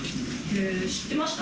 知ってました？